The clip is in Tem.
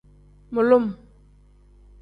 Mulum.